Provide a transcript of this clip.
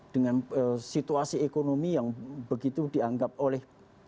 dengan situasi ekonomi yang begitu dianggap oleh